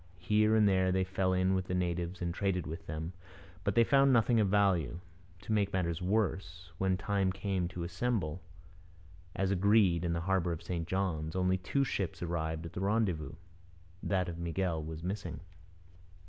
Here and there they fell in with the natives and traded with them, but they found nothing of value. To make matters worse, when the time came to assemble, as agreed, in the harbour of St John's, only two ships arrived at the rendezvous. That of Miguel was missing.